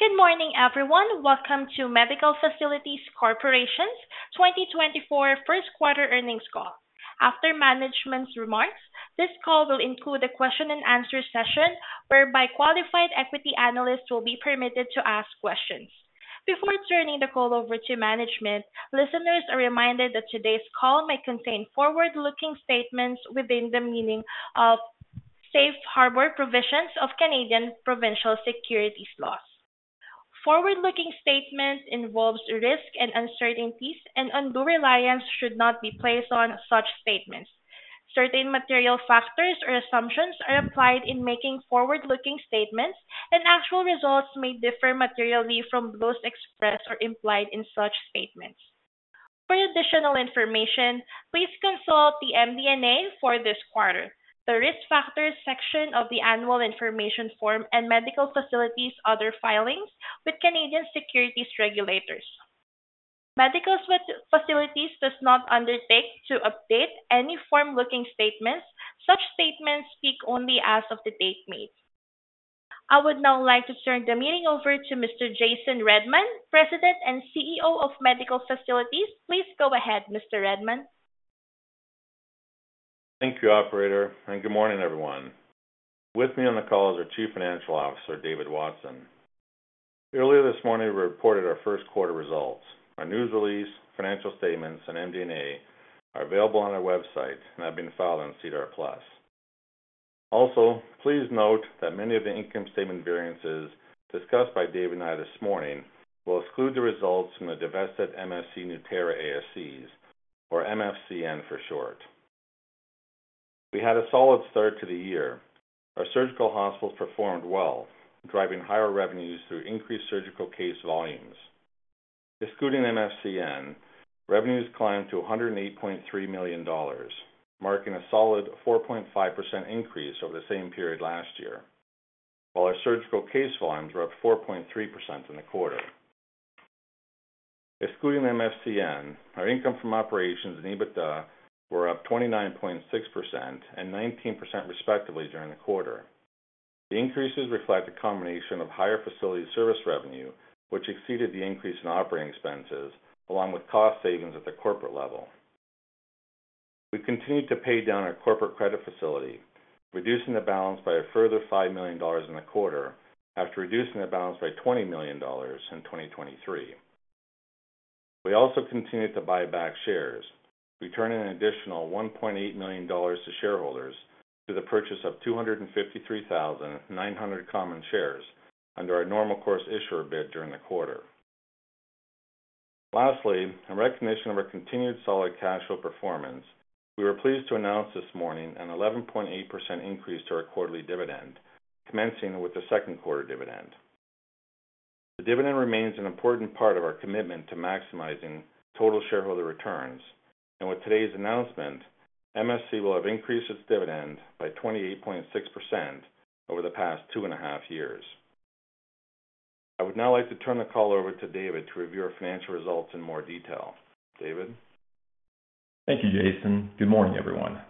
Good morning, everyone. Welcome to Medical Facilities Corporation's 2024 first quarter earnings call. After management's remarks, this call will include a question and answer session whereby qualified equity analysts will be permitted to ask questions. Before turning the call over to management, listeners are reminded that today's call may contain forward-looking statements within the meaning of Safe Harbor provisions of Canadian provincial securities laws. Forward-looking statements involve risks and uncertainties, and undue reliance should not be placed on such statements. Certain material factors or assumptions are applied in making forward-looking statements, and actual results may differ materially from those expressed or implied in such statements. For additional information, please consult the MD&A for this quarter, the Risk Factors section of the Annual Information Form, and Medical Facilities' other filings with Canadian securities regulators. Medical Facilities does not undertake to update any forward-looking statements. Such statements speak only as of the date made. I would now like to turn the meeting over to Mr. Jason Redman, President and CEO of Medical Facilities. Please go ahead, Mr. Redman. Thank you, operator, and good morning, everyone. With me on the call is our Chief Financial Officer, David Watson. Earlier this morning, we reported our first quarter results. Our news release, financial statements, and MD&A are available on our website and have been filed on SEDAR+. Also, please note that many of the income statement variances discussed by Dave and I this morning will exclude the results from the divested MFC Nueterra ASCs, or MFCN for short. We had a solid start to the year. Our surgical hospitals performed well, driving higher revenues through increased surgical case volumes. Excluding MFCN, revenues climbed to $108.3 million, marking a solid 4.5% increase over the same period last year, while our surgical case volumes were up 4.3% in the quarter. Excluding MFCN, our income from operations and EBITDA were up 29.6% and 19%, respectively, during the quarter. The increases reflect a combination of higher facility service revenue, which exceeded the increase in operating expenses, along with cost savings at the corporate level. We continued to pay down our corporate credit facility, reducing the balance by a further $5 million in the quarter after reducing the balance by $20 million in 2023. We also continued to buy back shares, returning an additional $1.8 million to shareholders through the purchase of 253,900 common shares under our normal course issuer bid during the quarter. Lastly, in recognition of our continued solid cash flow performance, we were pleased to announce this morning an 11.8% increase to our quarterly dividend, commencing with the second quarter dividend. The dividend remains an important part of our commitment to maximizing total shareholder returns, and with today's announcement, MFC will have increased its dividend by 28.6% over the past 2.5 years. I would now like to turn the call over to David to review our financial results in more detail. David? Thank you, Jason. Good morning, everyone.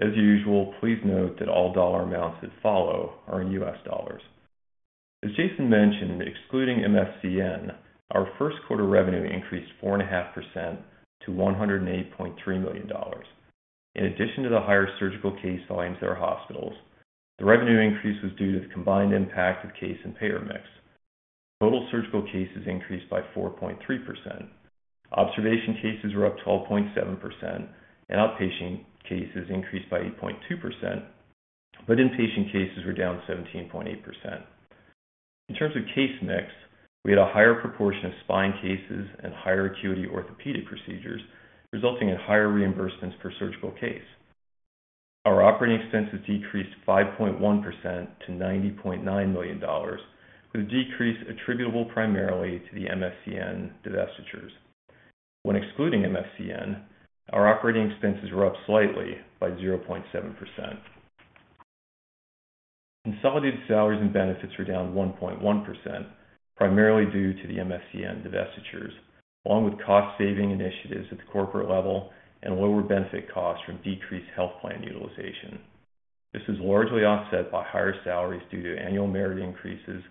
As usual, please note that all dollar amounts that follow are in US dollars. As Jason mentioned, excluding MFCN, our first quarter revenue increased 4.5% to $108.3 million. In addition to the higher surgical case volumes at our hospitals, the revenue increase was due to the combined impact of case and payer mix. Total surgical cases increased by 4.3%. Observation cases were up 12.7%, and outpatient cases increased by 8.2%, but inpatient cases were down 17.8%. In terms of case mix, we had a higher proportion of spine cases and higher acuity orthopedic procedures, resulting in higher reimbursements per surgical case. Our operating expenses decreased 5.1% to $90.9 million, with a decrease attributable primarily to the MFCN divestitures. When excluding MFCN, our operating expenses were up slightly by 0.7%. Consolidated salaries and benefits were down 1.1%, primarily due to the MFCN divestitures, along with cost-saving initiatives at the corporate level and lower benefit costs from decreased health plan utilization. This is largely offset by higher salaries due to annual merit increases,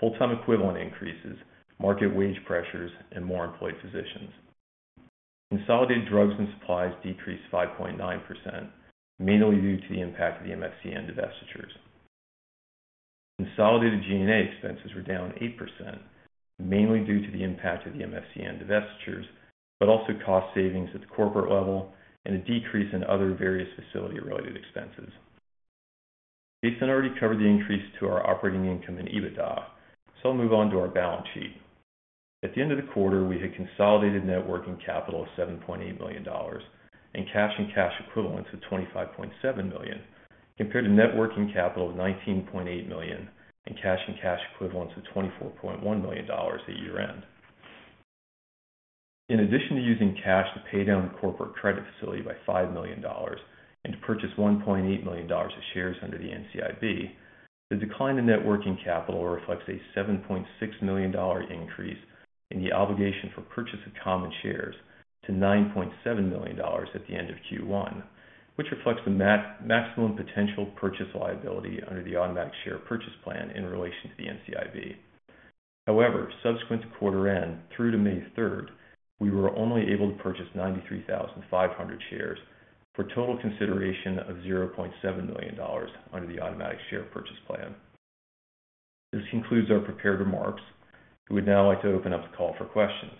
full-time equivalent increases, market wage pressures, and more employed physicians. Consolidated drugs and supplies decreased 5.9%, mainly due to the impact of the MFCN divestitures. Consolidated G&A expenses were down 8%, mainly due to the impact of the MFCN divestitures, but also cost savings at the corporate level and a decrease in other various facility-related expenses. Jason already covered the increase to our operating income and EBITDA, so I'll move on to our balance sheet. At the end of the quarter, we had consolidated net working capital of $7.8 million and cash and cash equivalents of $25.7 million, compared to net working capital of $19.8 million and cash and cash equivalents of $24.1 million at year-end. In addition to using cash to pay down the corporate credit facility by $5 million and to purchase $1.8 million of shares under the NCIB, the decline in net working capital reflects a $7.6 million increase in the obligation for purchase of common shares to $9.7 million at the end of Q1, which reflects the maximum potential purchase liability under the automatic share purchase plan in relation to the NCIB. However, subsequent to quarter end through to May 3rd, we were only able to purchase 93,500 shares for total consideration of $0.7 million under the automatic share purchase plan. This concludes our prepared remarks. We would now like to open up the call for questions.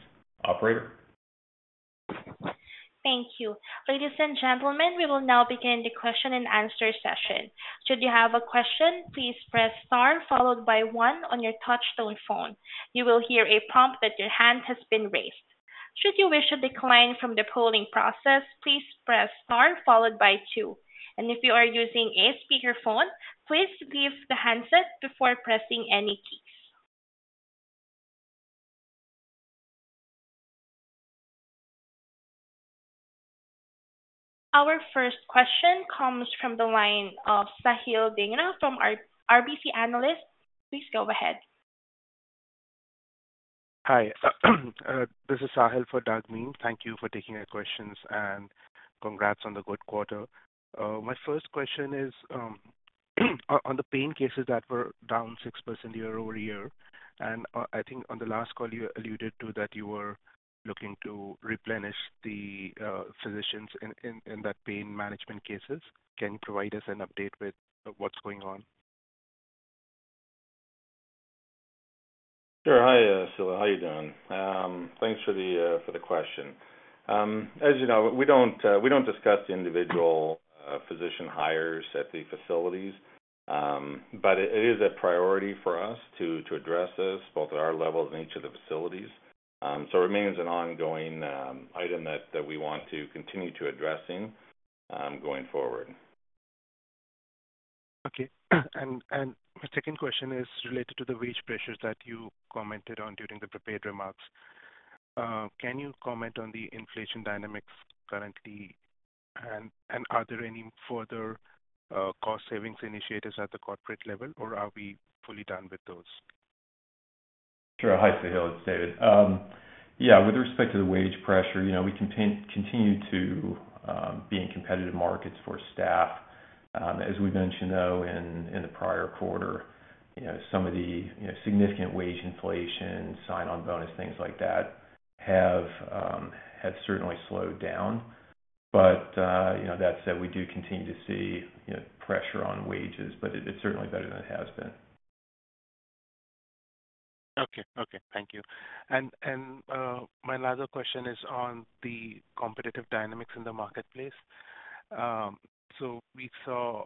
Operator? Thank you. Ladies and gentlemen, we will now begin the question and answer session. Should you have a question, please press star followed by one on your touchtone phone. You will hear a prompt that your hand has been raised. Should you wish to decline from the polling process, please press star followed by two, and if you are using a speakerphone, please leave the handset before pressing any keys. Our first question comes from the line of Sahil Dhingra from RBC Analyst. Please go ahead. Hi, this is Sahil for Doug Miehm. Thank you for taking our questions, and congrats on the good quarter. My first question is on the pain cases that were down 6% year-over-year, and I think on the last call, you alluded to that you were looking to replenish the physicians in that pain management cases. Can you provide us an update with what's going on? Sure. Hi, Sahil, how you doing? Thanks for the, for the question. As you know, we don't, we don't discuss the individual physician hires at the facilities. But it, it is a priority for us to, to address this both at our level and each of the facilities. So it remains an ongoing item that, that we want to continue to addressing going forward. Okay. And my second question is related to the wage pressures that you commented on during the prepared remarks. Can you comment on the inflation dynamics currently? And are there any further cost savings initiatives at the corporate level, or are we fully done with those? Sure. Hi, Sahil, it's David. Yeah, with respect to the wage pressure, you know, we continue to be in competitive markets for staff. As we mentioned, though, in the prior quarter, you know, some of the, you know, significant wage inflation, sign-on bonus, things like that, have certainly slowed down. But, you know, that said, we do continue to see, you know, pressure on wages, but it's certainly better than it has been. Okay. Okay, thank you. My last question is on the competitive dynamics in the marketplace. So we saw,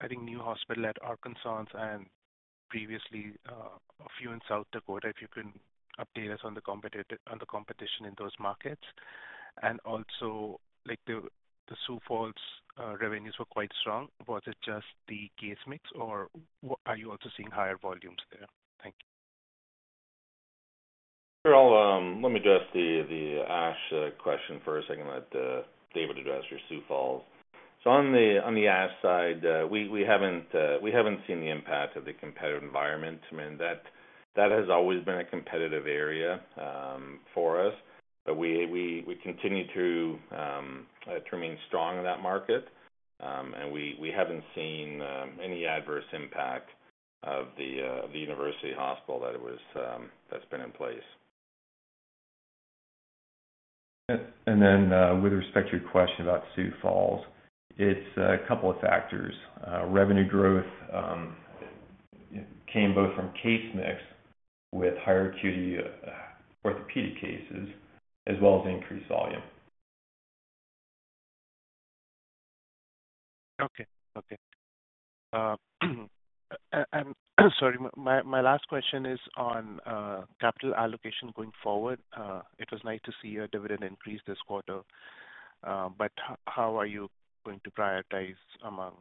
I think, new hospital at Arkansas and previously, a few in South Dakota, if you can update us on the competition in those markets. And also, like, the Sioux Falls revenues were quite strong. Was it just the case mix, or are you also seeing higher volumes there? Thank you. Sure. Let me address the Ashe question first, and I'll let David address your Sioux Falls. So on the Ashe side, we haven't seen the impact of the competitive environment. I mean, that has always been a competitive area for us. But we continue to remain strong in that market. And we haven't seen any adverse impact of the university hospital that it was that's been in place. With respect to your question about Sioux Falls, it's a couple of factors. Revenue growth came both from case mix with higher acuity orthopedic cases as well as increased volume. Okay. Okay. Sorry, my last question is on capital allocation going forward. It was nice to see a dividend increase this quarter, but how are you going to prioritize among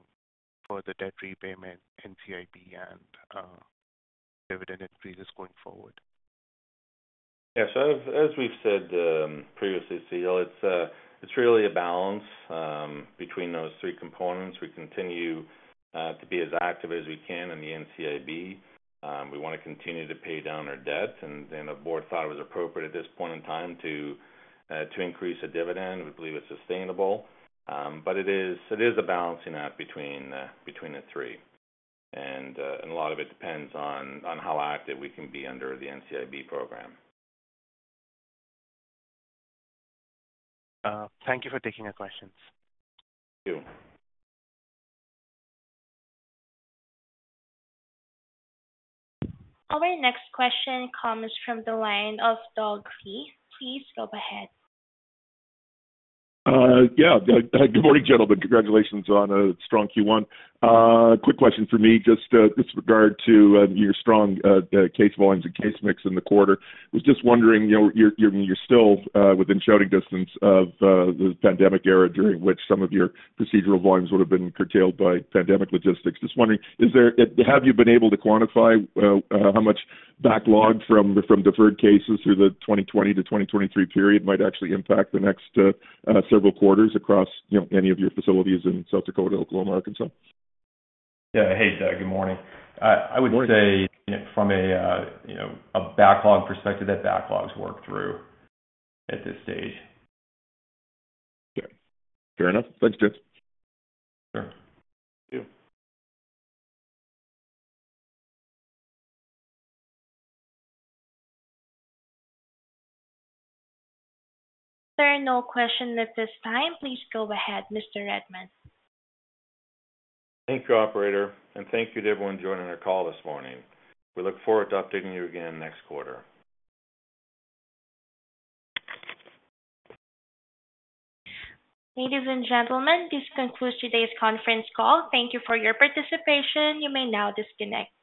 further debt repayment, NCIB and dividend increases going forward? Yeah. So as, as we've said, previously, Sahil, it's, it's really a balance between those three components. We continue to be as active as we can in the NCIB. We wanna continue to pay down our debt, and then the board thought it was appropriate at this point in time to to increase the dividend. We believe it's sustainable. But it is, it is a balancing act between between the three. And, and a lot of it depends on, on how active we can be under the NCIB program. Thank you for taking our questions. Thank you. Our next question comes from the line of Douglas Loe. Please go ahead. Yeah, good morning, gentlemen. Congratulations on a strong Q1. Quick question for me, just, with regard to, your strong case volumes and case mix in the quarter. I was just wondering, you know, you're still within shouting distance of the pandemic era, during which some of your procedural volumes would have been curtailed by pandemic logistics. Just wondering, is there... Have you been able to quantify how much backlog from deferred cases through the 2020 to 2023 period might actually impact the next several quarters across, you know, any of your facilities in South Dakota, Oklahoma, Arkansas? Yeah. Hey, Doug, good morning. I would say- Good morning. From a, you know, a backlog perspective, that backlog's worked through at this stage. Okay. Fair enough. Thanks, David. Sure. Thank you. There are no questions at this time. Please go ahead, Mr. Edmund. Thank you, operator, and thank you to everyone joining our call this morning. We look forward to updating you again next quarter. Ladies and gentlemen, this concludes today's conference call. Thank you for your participation. You may now disconnect.